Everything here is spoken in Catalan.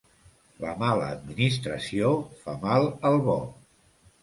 La mala administració fa mal al bo.